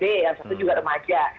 yang satu juga remaja